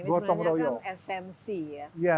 ini sebenarnya kan esensi ya